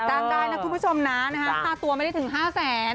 จ้างได้นะคุณผู้ชมนะค่าตัวไม่ได้ถึง๕แสน